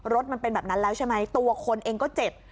มันเป็นแบบนั้นแล้วใช่ไหมตัวคนเองก็เจ็บ